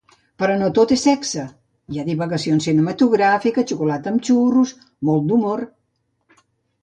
Però no tot és sexe; hi ha divagacions cinematogràfiques, xocolata amb xurros, molt d'humor.